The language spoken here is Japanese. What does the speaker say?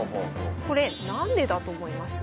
これ何でだと思います？